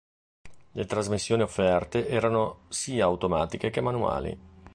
Le trasmissioni offerte erano sia automatiche che manuali.